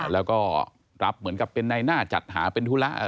แล้วก็รับเหมือนกับเป็นในหน้าจัดหาเป็นธุระ